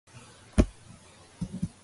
უივერი არის ავსტრალიური ახალი ტალღის სიმბოლო.